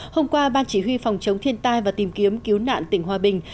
hôm qua ban chỉ huy phòng chống thiên tai và tìm kiếm cứu nạn tỉnh hòa bình